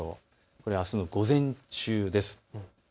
これはあすの午前中です。